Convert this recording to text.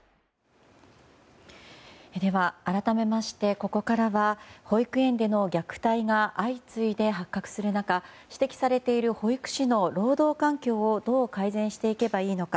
改めましてここからは保育園での虐待が相次いで発覚する中、指摘されている保育士の労働環境をどう改善していけばいいのか。